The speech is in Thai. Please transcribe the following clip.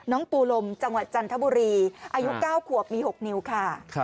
ปูลมจังหวัดจันทบุรีอายุ๙ขวบมี๖นิ้วค่ะ